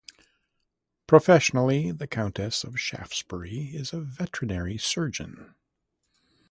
Professionally, the Countess of Shaftesbury is a veterinary surgeon.